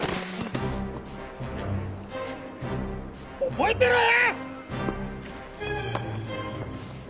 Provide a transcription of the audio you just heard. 「覚えてろよ！」